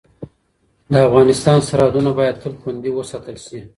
د افغانستان سرحدونه باید تل خوندي وساتل شي.